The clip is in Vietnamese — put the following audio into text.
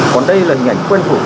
còn đây là nhành quen phủ